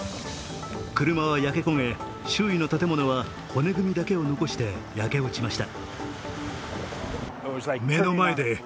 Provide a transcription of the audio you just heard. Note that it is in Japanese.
車は焼け焦げ周囲の建物は骨組みだけを残して焼け落ちました。